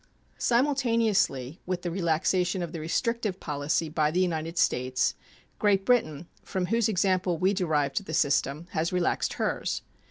Simultaneously with the relaxation of the restrictive policy by the United States, Great Britain, from whose example we derived the system, has relaxed hers.